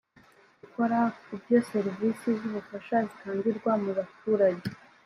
gukora ku buryo serivisi z ubufasha zitangirwa mu baturage